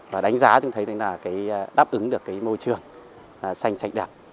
và đánh giá tôi thấy là đáp ứng được cái môi trường xanh xanh đẹp